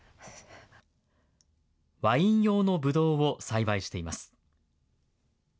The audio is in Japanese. ワイン用のぶどうを栽培しています。